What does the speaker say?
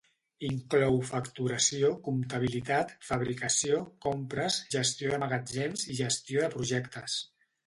Inclou facturació, comptabilitat, fabricació, compres, gestió de magatzems i gestió de projectes.